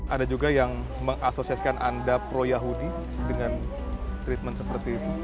ada juga yang mengasosiasikan anda pro yahudi dengan treatment seperti itu